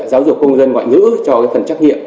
giáo dục công dân ngoại ngữ cho cái phần trắc nghiệm